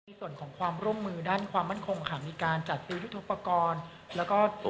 มีส่วนของความร่วมมือด้านความมั่นคงขังในการจัดซื้อยุทธปกรณ์